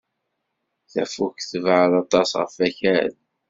Tafukt tebɛed aṭas ɣef Wakal.